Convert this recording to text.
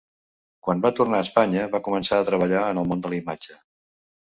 Quan va tornar a Espanya va començar a treballar en el món de la imatge.